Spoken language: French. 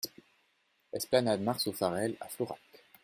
Esplanade Marceau Farelle à Florac